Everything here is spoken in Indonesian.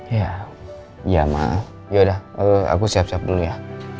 ya ya mah yaudah aku siap siap dulu ya